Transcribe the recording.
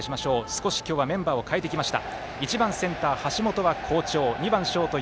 少し今日はメンバーを代えてきました。